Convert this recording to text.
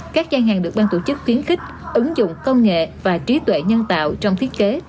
các gian hàng được ban tổ chức khuyến khích ứng dụng công nghệ và trí tuệ nhân tạo trong thiết kế